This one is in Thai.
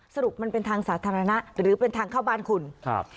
สรุปมันเป็นทางสาธารณะหรือเป็นทางเข้าบ้านคุณครับ